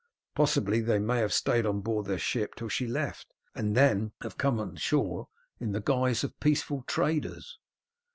Possibly they may have stayed on board their ship till she left, and then have come on shore in the guise of peaceful traders."